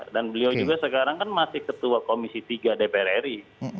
dan beliau juga sekarang kan masih ketua komisi tiga dpr ri